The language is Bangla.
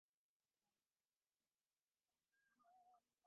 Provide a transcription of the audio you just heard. তিনি তাঁর নিজের ছেলেমেয়েদের নাম বললেন।